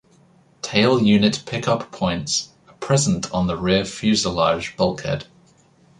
Tail unit pick-up points are present on the rear fuselage bulkhead.